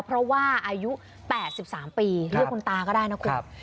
เพราะว่าอายุ๘๓ปีเรียกคุณตาก็ได้นะคุณ